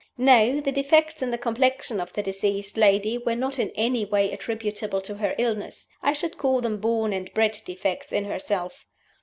"No; the defects in the complexion of the deceased lady were not in any way attributable to her illness. I should call them born and bred defects in herself.